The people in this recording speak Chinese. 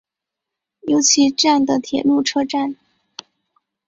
由岐站的铁路车站。